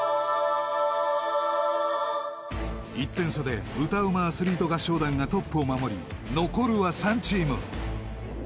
［１点差で歌ウマアスリート合唱団がトップを守り残るは３チーム］